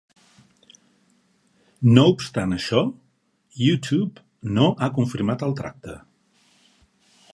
No obstant això, YouTube no ha confirmat el tracte.